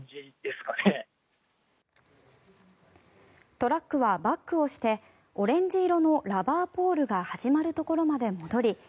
トラックはバックをしてオレンジ色のラバーポールが始まるところまで戻り